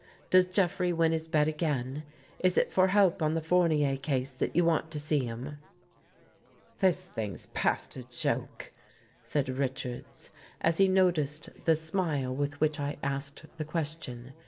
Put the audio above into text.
" Does Jeffrey win his bet again? Is it for help on the Fournier case that you want to see him? " "This thing's past a joke," said Richards, as he noted the smile with which I asked the question.